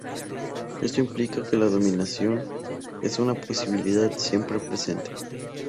Esto implica que la dominación es una posibilidad siempre presente.